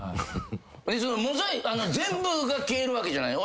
全部が消えるわけじゃない。